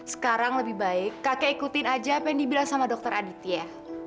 sekarang lebih baik kakek ikutin aja apa yang dibilang sama dokter aditya